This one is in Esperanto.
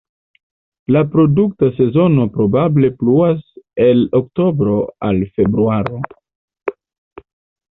La reprodukta sezono probable pluas el oktobro al februaro.